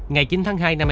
ngày chín tháng hai